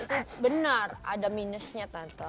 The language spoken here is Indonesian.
itu benar ada minusnya tante